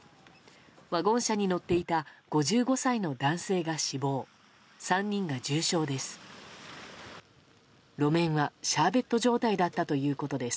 ワゴン車に乗っていた５５歳の男性が死亡３人が重傷です。